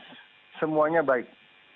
seluruhnya semuanya baik